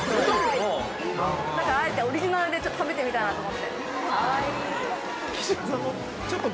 あえてオリジナルでちょっと食べてみたいなと思って。